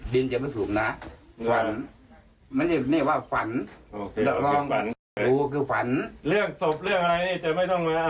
บรามเชื่อแบบนั้นไม่เอานะมันสุขคลักษณะ